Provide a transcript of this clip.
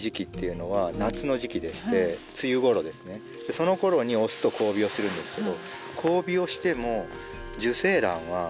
そのころに雄と交尾をするんですけど。